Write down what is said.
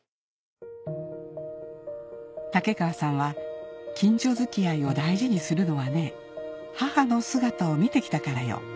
竹川さんは「近所付き合いを大事にするのはね母の姿を見て来たからよ」